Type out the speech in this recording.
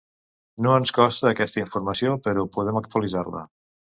No ens consta aquesta informació, però podem actualitzar-la.